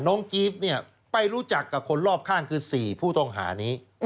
กีฟเนี่ยไปรู้จักกับคนรอบข้างคือ๔ผู้ต้องหานี้